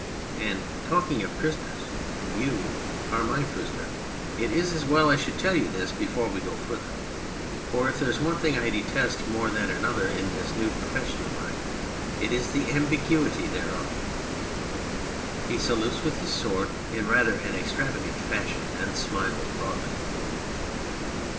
And talking of prisoners, you are my prisoner ! It is as well I should tell you this before we go further. For if there is one thing I detest more than another in this new profession of mine it is the ambiguity thereof. (He salutes with his sword in rather an extravagant fashion and smiles broadly.